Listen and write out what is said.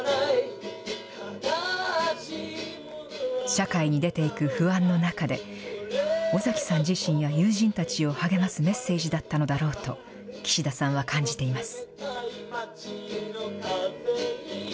社会に出ていく不安の中で、尾崎さん自身や友人たちを励ますメッセージだったのだろうと岸田さんは感じています。